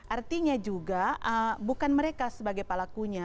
artinya juga bukan mereka sebagai pelakunya